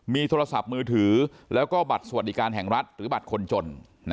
มีโทรศัพท์มือถือแล้วก็บัตรสวัสดิการแห่งรัฐหรือบัตรคนจน